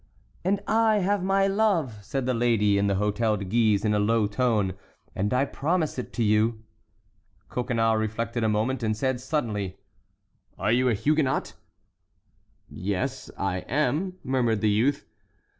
"And I have my love," said the lady in the Hôtel de Guise, in a low tone, "and I promise it you." Coconnas reflected a moment, and said suddenly: "Are you a Huguenot?" "Yes, I am," murmured the youth.